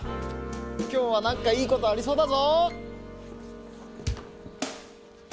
きょうはなんかいいことありそうだぞ！